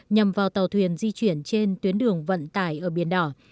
nhằm vào tàu thuyền di chuyển trên tuyến đường vận tải ở biển đỏ